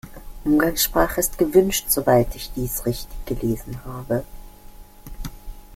Umgangssprache ist gewünscht, soweit ich dies richtig gelesen habe.